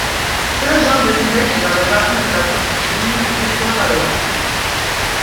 Saint-Jean-de-Livet est dans le bassin de la Touques qui délimite le territoire à l'ouest.